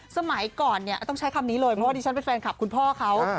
สมัยก่อนเนี่ยต้องใช้คำนี้เลยเพราะว่าดิฉันเป็นแฟนคลับคุณพ่อเขา